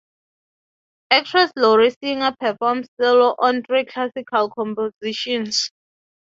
Actress Lori Singer performs cello on three classical compositions.